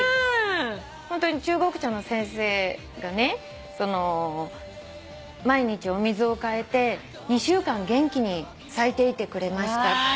ホントに中国茶の先生がね毎日お水を替えて２週間元気に咲いていてくれました。